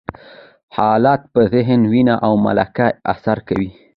حالات په ذهن، وینه او ملکه اثر کوي.